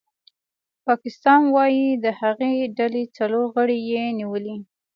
پاکستان وايي د هغې ډلې څلور غړي یې نیولي